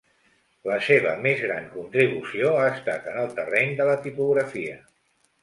La seva més gran contribució ha estat en el terreny de la tipografia.